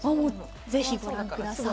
ぜひご覧ください。